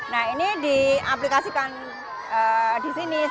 nah ini diaplikasikan di sini